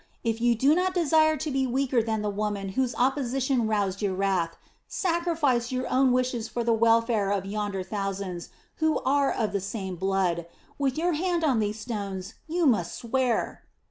If you do not desire to be weaker than the woman whose opposition roused your wrath, sacrifice your own wishes for the welfare of yonder thousands, who are of the same blood! With your hand on these stones you must swear...."